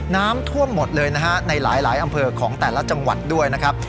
น้ำท่วมหมดเลยนะฮะในหลายอำเภอของแต่ละจังหวัดด้วยนะครับ